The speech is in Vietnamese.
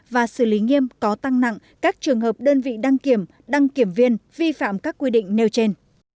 và xử lý nghiêm có tăng nặng các trường hợp đơn vị đăng kiểm đăng kiểm viên vi phạm các quy định nêu trên